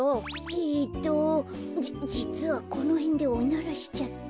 えっとじじつはこのへんでおならしちゃって。